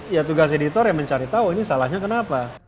ya tugas editor yang mencari tahu ini salahnya kenapa